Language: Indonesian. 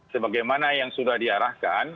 sebagaimana yang sudah diarahkan